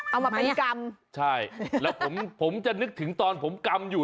เอามาเป็นกรรมใช่แล้วผมผมจะนึกถึงตอนผมกำอยู่